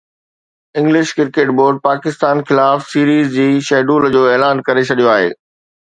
English cricket board Pakistan خلاف series جي schedule جو اعلان ڪري ڇڏيو آهي